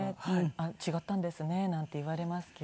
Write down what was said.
「あっ違ったんですね」なんて言われますけど。